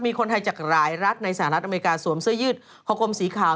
มีคนไทยจากหลายรัฐในสหรัฐอเมริกาสวมเสื้อยืดคอกลมสีขาว